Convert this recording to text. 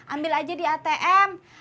ambil aja di atm